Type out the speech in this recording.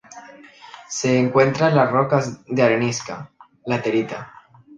Se encuentra en las rocas de arenisca, laterita.